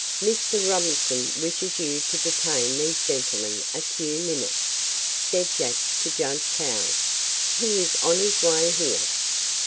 "Mr. Robinson wishes you to detain these gentlemen a few minutes," said Jack to judge Cowles. "He is on his way here."